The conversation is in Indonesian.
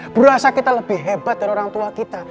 berasa kita lebih hebat dari orang tua kita